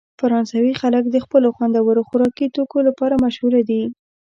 فرانسوي خلک د خپلو خوندورو خوراکي توکو لپاره مشهوره دي.